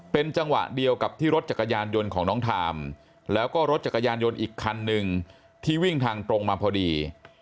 เป็นจังหวะเดียวกับที่รถจักรยานยนต์ของน้องทามแล้วก็รถจักรยานยนต์อีกคันหนึ่งที่วิ่งทางตรงมาพอดี